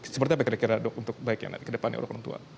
seperti apa kira kira untuk ke depan ya pak